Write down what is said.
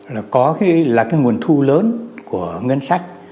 là cái nguồn thu lớn của ngân sách